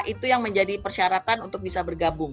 itu yang menjadi persyaratan untuk bisa bergabung